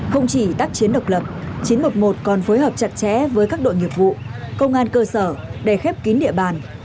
không chỉ tác chiến độc lập chín trăm một mươi một còn phối hợp chặt chẽ với các đội nghiệp vụ công an cơ sở để khép kín địa bàn